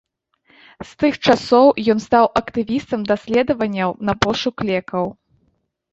З тых часоў ён стаў актывістам даследаванняў на пошук лекаў.